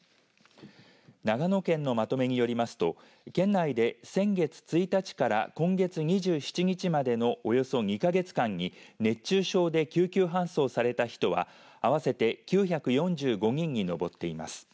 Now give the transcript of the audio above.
長野県のまとめによりますと県内で先月１日から今月２７日までのおよそ２か月間に熱中症で救急搬送された人は合わせて９４５人に上っています。